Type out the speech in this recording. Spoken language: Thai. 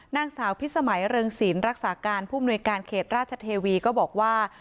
นางสาวพิสมัยเริงศิลป์รักษาการผู้มนุยการเขตราชเทวีก็บอกว่า